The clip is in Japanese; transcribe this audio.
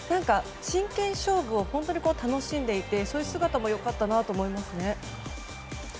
真剣勝負を楽しんでいてそういう姿もよかったなと思います。